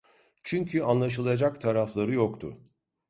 Çünkü anlaşılacak tarafları yoktu.